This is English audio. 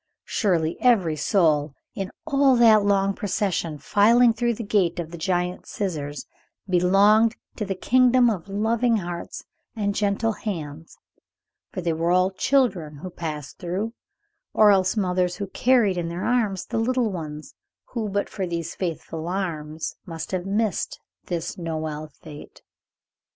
Surely every soul, in all that long procession filing through the gate of the giant scissors, belonged to the kingdom of loving hearts and gentle hands; for they were all children who passed through, or else mothers who carried in their arms the little ones who, but for these faithful arms, must have missed this Noël fête.